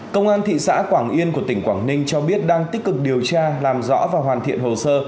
công an thị xã quảng yên của tỉnh quảng ninh cho biết đang tích cực điều tra làm rõ và hoàn thiện hồ sơ